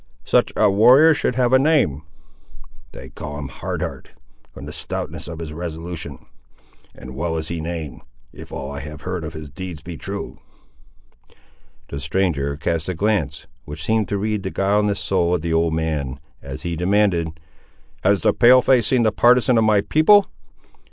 "Such a warrior should have a name?" "They call him Hard Heart, from the stoutness of his resolution; and well is he named, if all I have heard of his deeds be true." The stranger cast a glance, which seemed to read the guileless soul of the old man, as he demanded— "Has the Pale face seen the partisan of my people?"